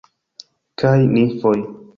kaj nimfoj.